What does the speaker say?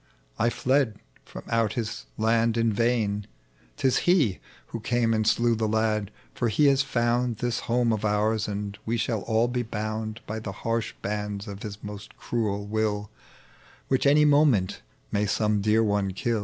I fled from out His land in vain !— 'tis He "Who eamc and slew tbe lai^ for He has found This home of oiu's, and we shall all be bound By tbe harsh bands of His most cruel will, "Which any moment may some dear one kill.